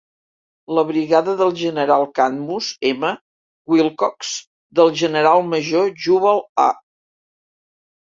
La brigada del general Cadmus M. Wilcox, del general major Jubal A.